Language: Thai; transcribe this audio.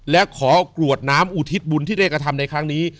และขอกรวดน้ำอุทิศบุญที่ได้กระทำในครั้งนี้